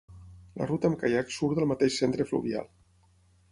La ruta amb caiac surt del mateix Centre Fluvial.